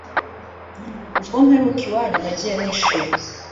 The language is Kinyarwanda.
ubwo mperuka iwanyu nagiye nishimye